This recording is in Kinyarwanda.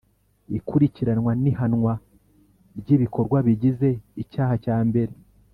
Ikurikiranwa n ihanwa ry ibikorwa bigize icyaha cyambere